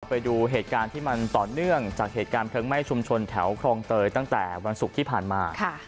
ไปดูเหตุการณ์ที่มันต่อเนื่องจากเหตุการณ์เพลิงไหม้ชุมชนแถวครองเตยตั้งแต่วันศุกร์ที่ผ่านมา